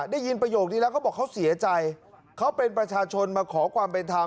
ได้ยินประโยคนี้แล้วเขาบอกเขาเสียใจเขาเป็นประชาชนมาขอความเป็นธรรม